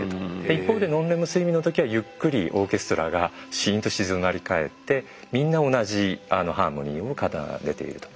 一方でノンレム睡眠の時はゆっくりオーケストラがしんと静まり返ってみんな同じハーモニーを奏でていると。